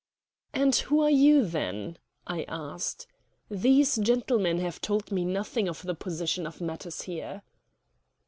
"And who are you, then?" I asked. "These gentlemen have told me nothing of the position of matters here."